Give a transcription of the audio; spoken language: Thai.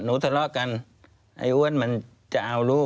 ควิทยาลัยเชียร์สวัสดีครับ